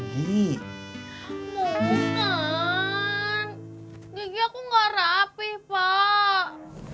gigi aku ga rapih pak